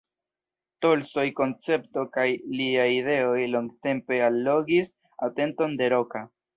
Tolstoj koncepto kaj liaj ideoj longtempe allogis atenton de Roka.